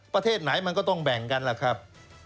ประเทศไหนมันก็ต้องแบ่งกันล่ะครับ